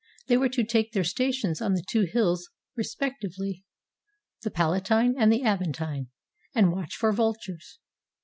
They were to take their stations on the two hills respec 256 HOW ROME WAS FOUNDED tively — the Palatine and the Aventine, and watch for vultures.